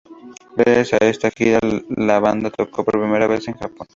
Gracias a esta gira, la banda tocó por primera vez en Japón.